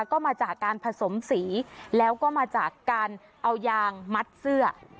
ก็มาจากการผสมสีแล้วก็มาจากการเอายางมัดเสื้อ